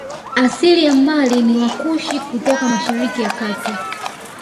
Asili ya mbali ni Wakushi kutoka Mashariki ya Kati